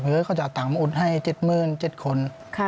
เอิ้นเขาจะอาตังมาอุดให้เจ็ดเมื่อนเจ็ดคน